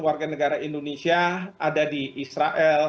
warga negara indonesia ada di israel